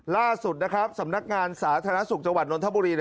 ล่าสุดนะครับสำนักงานสาธารณสุขจังหวัดนทบุรี